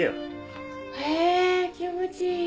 ほえ気持ちいい。